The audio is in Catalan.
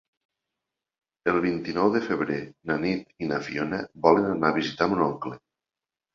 El vint-i-nou de febrer na Nit i na Fiona volen anar a visitar mon oncle.